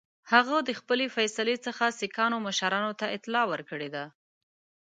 هغه د خپلي فیصلې څخه سیکهانو مشرانو ته اطلاع ورکړې ده.